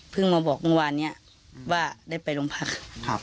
เพิ่งมาบอกวันวานเนี้ยอืมว่าได้ไปลงพักครับ